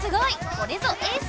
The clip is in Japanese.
これぞエース！